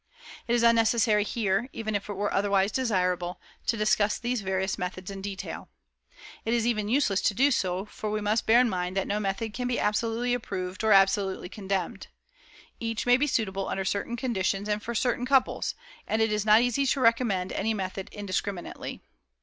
It is unnecessary here, even if it were otherwise desirable, to discuss these various methods in detail. It is even useless to do so, for we must bear in mind that no method can be absolutely approved or absolutely condemned. Each may be suitable under certain conditions and for certain couples, and it is not easy to recommend any method indiscriminately.